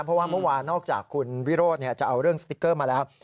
เพราะว่าเมื่อวานนอกจากคุณวิโรธจะเอาเรื่องสติ๊กเกอร์มาแล้ว